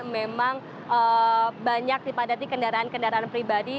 memang banyak dipadati kendaraan kendaraan pribadi